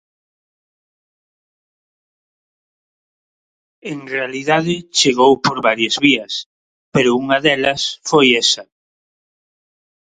En realidade chegou por varias vías, pero unha delas foi esa.